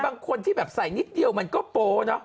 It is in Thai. บางคนที่แบบใส่นิดเดียวมันก็โป๊เนอะ